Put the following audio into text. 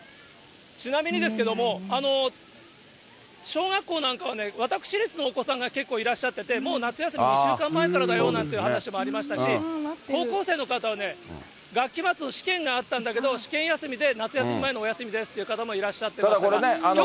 ちなみにですけども、小学校なんかはね、私立のお子さんが結構いらっしゃってて、もう夏休みが１週間前からだよなんて話もありましたし、高校生の方はね、学期末の試験があったんだけど、試験休みで夏休み前のお休みですという方もいらっしゃってましたから。